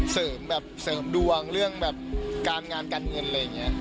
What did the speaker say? เสริมแบบเสริมดวงเรื่องแบบการงานการเงินอะไรอย่างนี้